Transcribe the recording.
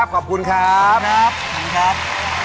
ขอบคุณครับ